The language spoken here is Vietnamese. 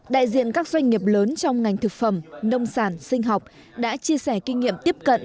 đại diện các doanh nghiệp lớn trong ngành thực phẩm nông sản sinh học đã chia sẻ kinh nghiệm tiếp cận